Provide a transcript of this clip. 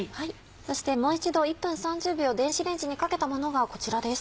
そしてもう一度１分３０秒電子レンジにかけたものがこちらです。